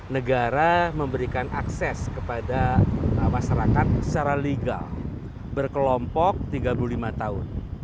negara memberikan akses kepada masyarakat secara legal berkelompok tiga puluh lima tahun